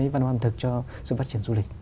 văn hóa ẩm thực cho sự phát triển du lịch